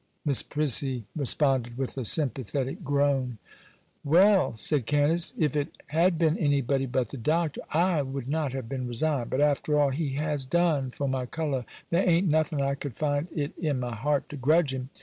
Miss Prissy responded with a sympathetic groan. 'Well,' said Candace, 'if it had been anybody but the Doctor, I would not have been resigned. But after all he has done for my colour, there a'n't nothing I could find it in my heart to grudge him.